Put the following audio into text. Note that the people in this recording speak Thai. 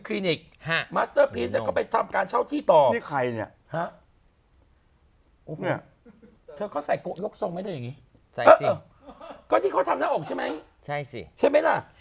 เขาเฝ้าบ้านให้หรอ